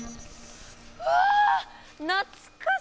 うわなつかしい。